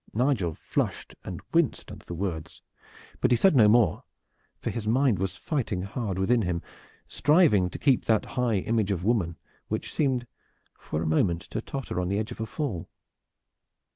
Nigel flushed and winced under the words, but he said no more, for his mind was fighting hard within him, striving to keep that high image of woman which seemed for a moment to totter on the edge of a fall.